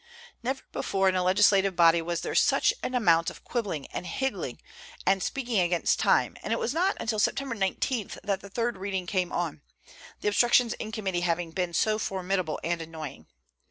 Never before in a legislative body was there such an amount of quibbling and higgling, and "speaking against time;" and it was not till September 19 that the third reading came on, the obstructions in committee having been so formidable and annoying.